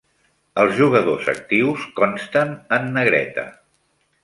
Els jugadors actius consten en negreta.